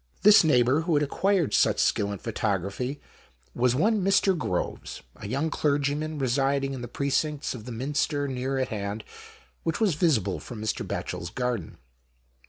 This neighbour who had acquired such skill in photography was one Mr. Groves, a young clergyman, residing in the Precincts of the Minster near at hand, which was visible from Mr. Batchel's garden.